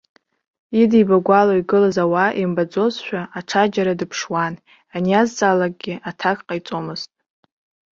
Идибагәала игылаз ауаа имбаӡозшәа, аҽаџьара дыԥшуан, ианиазҵаалакгьы, аҭак ҟаиҵомызт.